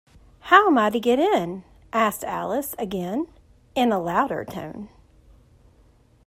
‘How am I to get in?’ asked Alice again, in a louder tone.